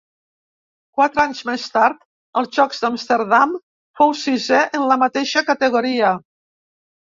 Quatre anys més tard, als Jocs d'Amsterdam, fou sisè en la mateixa categoria.